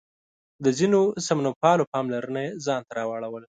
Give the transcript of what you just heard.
د ځینو سمونپالو پاملرنه یې ځان ته راواړوله.